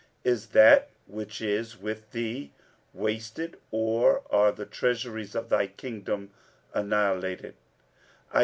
Is that which is with Thee wasted or are the treasuries of Thy Kingdom annihilated?